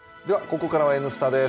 ここからは「Ｎスタ」です。